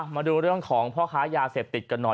มาดูเรื่องของพ่อค้ายาเสพติดกันหน่อย